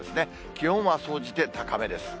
気温は総じて高めです。